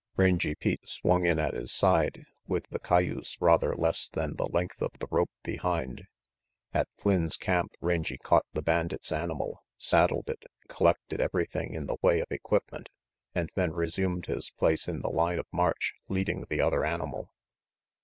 Rangy Pete swung in at his side, with the cayuse rather less than the length of the rope behind. At Flynn's camp Rangy caught the bandit's animal, saddled it, collected everything in the way of equip ment, and then resumed his place in the line of march, leading the other animal.